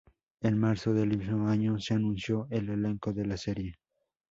En marzo del mismo año se anunció al elenco de la serie.